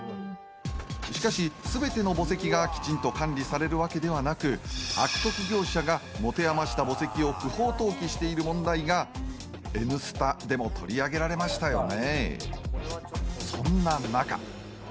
しかし、全ての墓石がきちんと管理されるわけではなく、悪徳業者が持て余した墓石を不法投棄されている問題が「Ｎスタ」でも取り上げられましたよね。